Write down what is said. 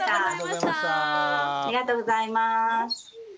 ありがとうございます。